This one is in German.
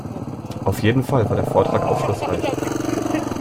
Auf jeden Fall war der Vortrag aufschlussreich.